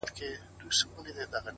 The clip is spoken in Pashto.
ټوله وركه يې;